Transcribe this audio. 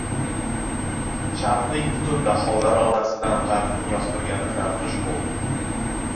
• Sharqning butun daholari orasidan g‘arbning yoqtirgani Zardusht bo‘ldi.